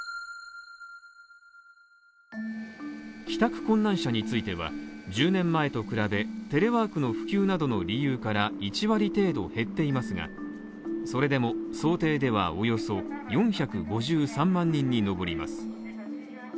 帰宅困難者については１０年前と比べテレワークの普及などの理由から１割程度減っていますが、それでも想定ではおよそ４５３万人に上ります。